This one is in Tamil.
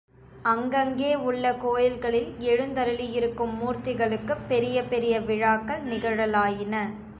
அங்கங்கே உள்ள கோயில்களில் எழுந்தருளியிருக்கும் மூர்த்திகளுக்குப் பெரிய பெரிய விழாக்கள் நிகழலாயின.